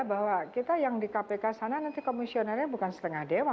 bahwa kita yang di kpk sana nanti komisionernya bukan setengah dewa